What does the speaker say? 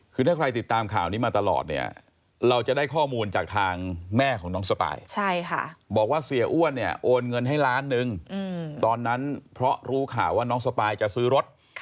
คือถ้าใครติดตามข่าวนี้มาตลอดเนี่ยเราจะได้ข้อมูลจากทางแม่ของน้องสปายบอกว่าเสียอ้วนเนี่ยโอนเงินให้ล้านนึงตอนนั้นเพราะรู้ข่าวว่าน้องสปายจะซื้อรถ